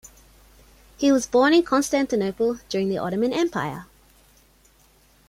He was born in Constantinople, during the Ottoman Empire.